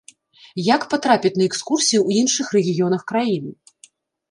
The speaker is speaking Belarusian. Як патрапіць на экскурсіі ў іншых рэгіёнах краіны?